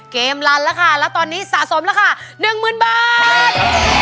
ลันแล้วค่ะแล้วตอนนี้สะสมราคา๑๐๐๐บาท